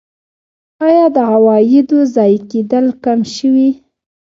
آیا د عوایدو ضایع کیدل کم شوي؟